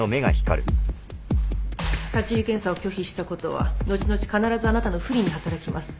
立入検査を拒否したことは後々必ずあなたの不利に働きます。